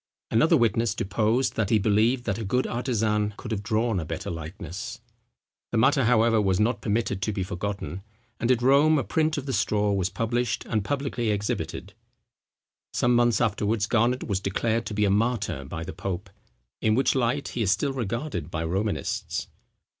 Another witness deposed, that he believed that a good artisan could have drawn a better likeness. The matter, however, was not permitted to be forgotten; and at Rome a print of the straw was published and publicly exhibited. Some months afterwards Garnet was declared to be a martyr by the pope; in which light he is still regarded by Romanists.